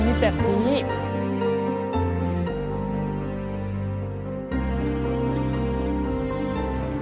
สวัสดีครับโรคร้ายที่รุมหายใจให้กับคนในครอบครัวที่มีวิกฤต